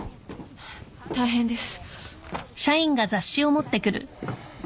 大変です。